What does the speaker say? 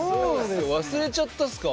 忘れちゃったんすか？